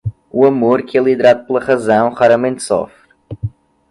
O amor, que é liderado pela razão, raramente sofre.